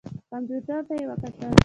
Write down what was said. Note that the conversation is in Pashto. کمپیوټر ته یې وکتل.